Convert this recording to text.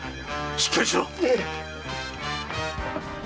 しっかりしろ！